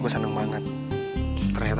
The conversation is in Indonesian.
ya saya udah lihat